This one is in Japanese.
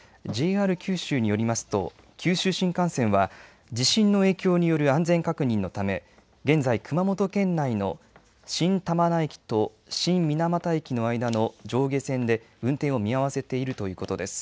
ＪＲ九州によりますと、九州新幹線は、地震の影響による安全確認のため、現在、熊本県内の新玉名駅と新水俣駅の間の上下線で運転を見合わせているということです。